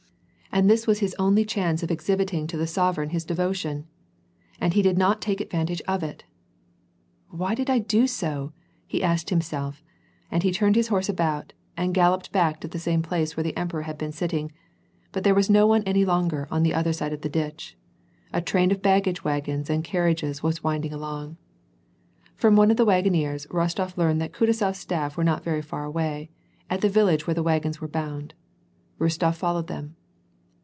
And this was his only chance of exhibit ing to the sovereign his devotion. And he did not take advan tage of it. " Why did I do so ?" he asked himself, and he turned his horse about, and galloped back to the same place where the emperor had been sitting, but there was no one any longer on the other side of the ditch. A train of bag gage wagons and carriages was winding along. From one of the wagoners, Bostof learned that Kutuzof's staff were not very far away, at the village where the wagons were bound. Bostof followed them.